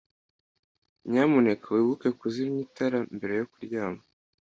Nyamuneka wibuke kuzimya itara mbere yo kuryama.